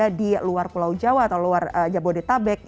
atau warganet yang ada di luar pulau jawa atau luar jabodetabek